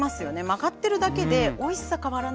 曲がってるだけでおいしさ変わらないんですよ。